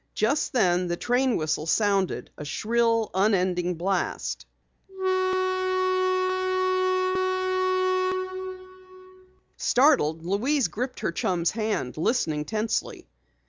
Just then the train whistle sounded a shrill, unending blast. Startled, Louise gripped her chum's hand, listening tensely.